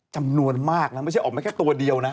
จำนวนมากนะไม่ใช่ออกมาแค่ตัวเดียวนะ